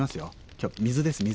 今日水です水。